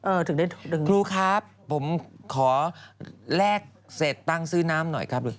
เอิ่อถึงได้ครูครับผมขอแรกเศษตั้งซื่นน้ำหน่อยครับ